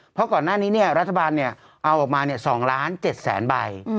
เพราะก่อนหน้านี้รัฐบาลเอาออกมา๒ล้าน๗แสนใบ